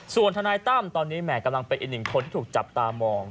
ส่วนทนายตั้มตอนนี้แห่กำลังเป็นอีกหนึ่งคนที่ถูกจับตามอง